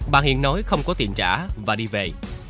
bà hiền nói không có tiền trả và đi về